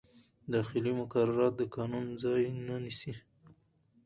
داخلي مقررات د قانون ځای نه نیسي.